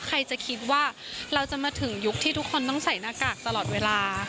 ใครจะคิดว่าเราจะมาถึงยุคที่ทุกคนต้องใส่หน้ากากตลอดเวลา